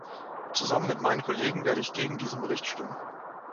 Zusammen mit meinen Kollegen werde ich gegen diesen Bericht stimmen.